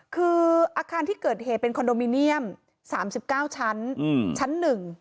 คืออาคารที่เกิดเหตุเป็นคอนโดมิเนียมสามสิบเก้าชั้นชั้นหนึ่ง